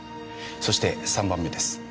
そして３番目です。